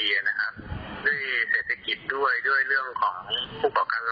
เราบาดจะต้องติดขาดให้ตัวเราเองด้วยนะครับ